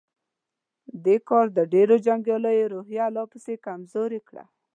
دې کار د ډېرو جنګياليو روحيه لا پسې کمزورې کړه.